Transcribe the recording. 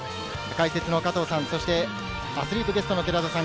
解説の加藤さん、アスリートゲストの寺田さん、